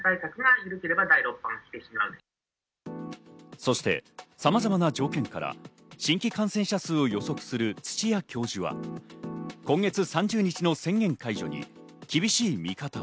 そして、さまざまな条件から新規感染者数を予測する土谷教授は今月３０日の宣言解除に厳しい見方を。